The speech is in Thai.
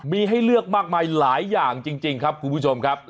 มีให้เลือกมากมายหลายอย่างจริงครับคุณผู้ชมครับ